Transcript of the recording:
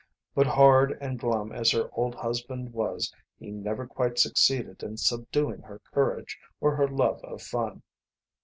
But hard and glum as her old husband was he never quite succeeded in subduing her courage or her love of fun.